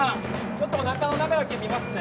ちょっとおなかの中だけ見ますね